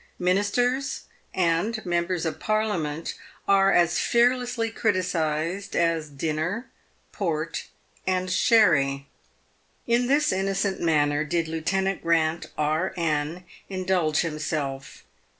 Mi nisters and members of Parliament are as fearlessly criticised as dinner, port, and sherry. In this innocent manner did Lieutenant Grant, E.N., indulge him self.